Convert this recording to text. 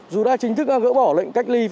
dù đã chính thức gỡ bỏ lệnh cách ly